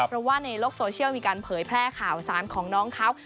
เพราะว่าในโลกโซเชียลมีการเผยแพร่ข่าวสารของน้องเขา